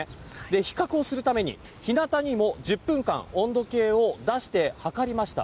比較をするために、日なたにも１０分間温度計を出して、測りました。